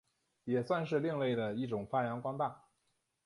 也算是另类的一种发扬光大。